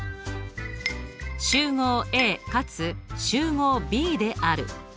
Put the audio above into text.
集合Ａかつ集合Ｂである。